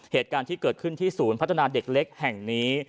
เหตุการณ์ที่เกิดขึ้นที่ศูนย์พัฒนาเด็กเล็กแห่งนี้